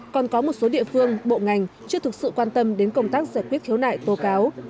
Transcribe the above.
còn có một số địa phương bộ ngành chưa thực sự quan tâm đến công tác giải quyết khiếu nại tố cáo